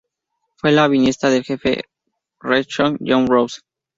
Fue la bisnieta del Jefe Cherokee John Ross.